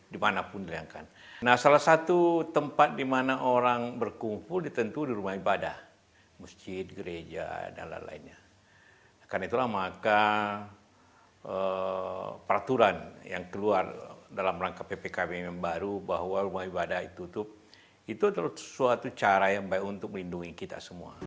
dalam rangka ppkm yang baru bahwa rumah ibadah ditutup itu adalah suatu cara yang baik untuk melindungi kita semua